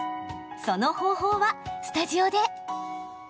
その方法はスタジオで。